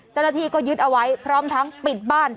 จรฐีก็ยึดเอาไว้พร้อมทั้งปิดบ้าน